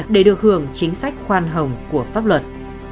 để được hưởng chính sách khoan hồng của pháp luật